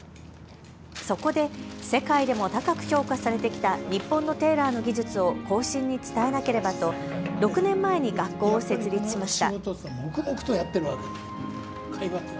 そこで世界でも高く評価されてきた日本のテーラーの技術を後進に伝えなければと６年前に学校を設立しました。